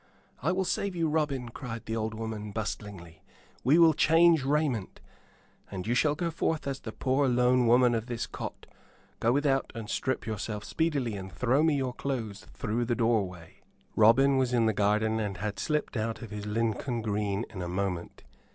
"I will save you, Robin," cried the old woman, bustlingly. "We will change raiment, and you shall go forth as the poor lone woman of this cot. Go without and strip yourself speedily; and throw me your clothes through the doorway." Robin was in the garden and had slipped out of his Lincoln green in a moment.